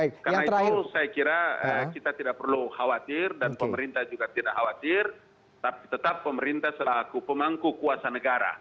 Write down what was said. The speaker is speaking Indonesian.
karena itu saya kira kita tidak perlu khawatir dan pemerintah juga tidak khawatir tetap pemerintah selaku pemangku kuasa negara